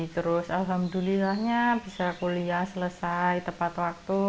terus alhamdulillahnya bisa kuliah selesai tepat waktu